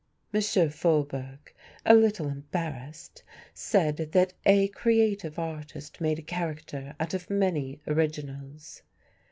M. Faubourg, a little embarrassed, said that a creative artist made a character out of many originals.